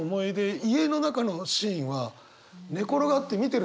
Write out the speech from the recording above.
家の中のシーンは寝転がって見てる